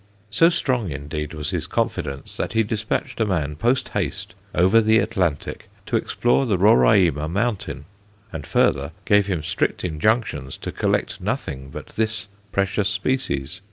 So strong indeed was his confidence that he despatched a man post haste over the Atlantic to explore the Roraima mountain; and, further, gave him strict injunctions to collect nothing but this precious species.